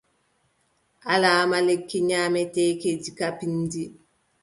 Alaama lekki nyaameteeki diga pinndi.